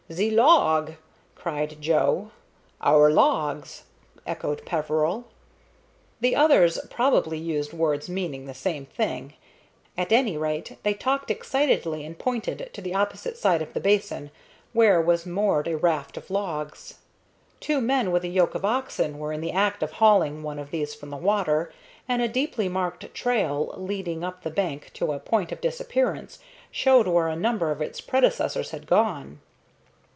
"Ze log!" cried Joe. "Our logs!" echoed Peveril. The others probably used words meaning the same thing. At any rate, they talked excitedly, and pointed to the opposite side of the basin, where was moored a raft of logs. Two men with a yoke of oxen were in the act of hauling one of these from the water, and a deeply marked trail, leading up the bank to a point of disappearance, showed where a number of its predecessors had gone.